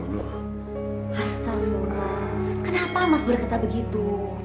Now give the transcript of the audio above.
astagfirullah kenapa mas berkata begitu